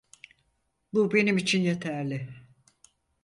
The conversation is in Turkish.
Bu benim için yeterli.